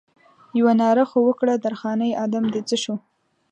یوه ناره خو وکړه درخانۍ ادم دې څه شو؟